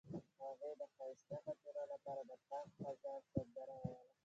هغې د ښایسته خاطرو لپاره د پاک خزان سندره ویله.